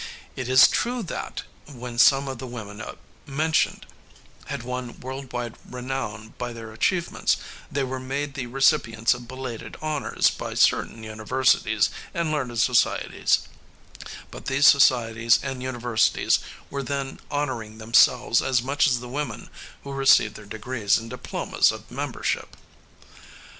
It is true that, when some of the women mentioned had won world wide renown by their achievements, they were made the recipients of belated honors by certain universities and learned societies; but these societies and universities were then honoring themselves as much as the women who received their degrees and diplomas of membership.